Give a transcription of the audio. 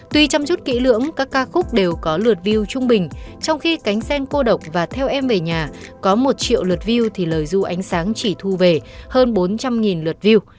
tuy chăm chút kỹ lưỡng các ca khúc đều có lượt view trung bình trong khi cánh sen cô độc và theo em về nhà có một triệu lượt view thì lời du ánh sáng chỉ thu về hơn bốn trăm linh lượt view